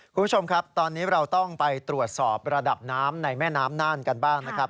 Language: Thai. คุณผู้ชมครับตอนนี้เราต้องไปตรวจสอบระดับน้ำในแม่น้ำน่านกันบ้างนะครับ